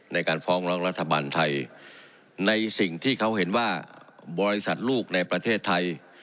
ในสิ่งที่เขาเห็นว่าบริษัทลูกในประเทศไทย